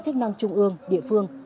chức năng trung ương địa phương